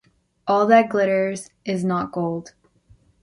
All that glitters is not gold.